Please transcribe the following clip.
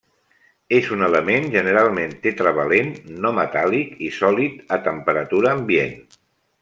És un element generalment tetravalent, no metàl·lic i sòlid a temperatura ambient.